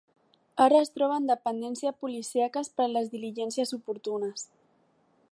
Ara es troba en dependència policíaques per a les diligències oportunes.